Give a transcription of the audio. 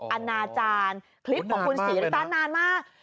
อนาจารย์คลิปของคุณศรีริต้านานมาก